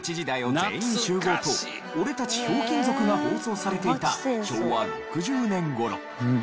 全員集合』と『オレたちひょうきん族』が放送されていた昭和６０年頃。